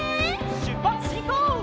しゅっぱつしんこう！